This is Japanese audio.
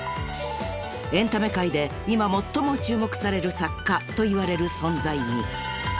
［エンタメ界で今最も注目される作家といわれる存在に］